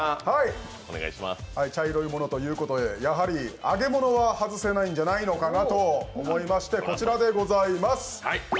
茶色いものということでやはり揚げ物は外せないんじゃないのかなと思ってこちらでございます。